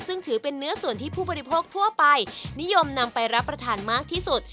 ซึ่งถือเป็นเนื้อส่วนที่ผู้บริโภคทั่วไปนิยมนำไปรับประทานมากที่สุด